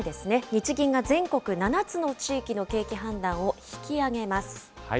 日銀が全国７つの地域の景気判断を引き上げます。